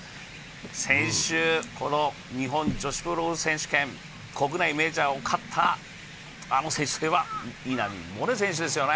先週この日本女子プロゴルフ選手権、国内メジャーを勝ったあの選手は稲見萌寧選手ですよね。